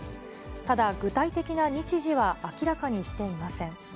ただ具体的な日時は明らかにしていません。